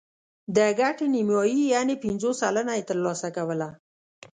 د ګټې نیمايي یعنې پنځوس سلنه یې ترلاسه کوله.